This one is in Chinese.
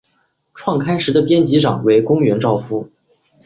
创刊时的编辑长为宫原照夫。